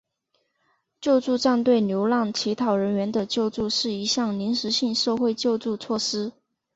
救助站对流浪乞讨人员的救助是一项临时性社会救助措施。